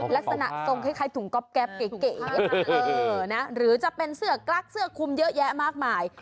ลักษณะทรงคล้ายถุงก๊อบแก๊ปเก๋หรือจะเป็นเสื้อกลั๊กเสื้อคุมเยอะแยะมากมาย